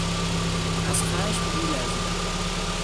از خشم می لرزیدم.